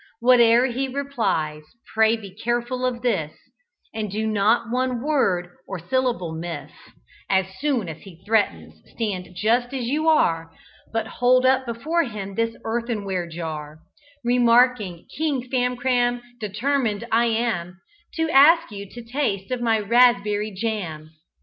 Whate'er he replies, pray be careful of this, And do not one word or one syllable miss; As soon as he threatens, stand just as you are, But hold up before him this earthenware jar, Remarking, 'King Famcram, determined I am To ask you to taste of my raspberry jam.'